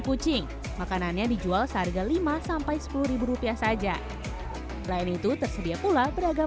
kucing makanannya dijual seharga lima sampai sepuluh rupiah saja lain itu tersedia pula beragam